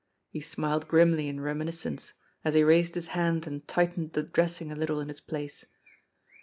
He smiled grimly in reminiscence, as he raised his hand and tightened the dressing a little in its place.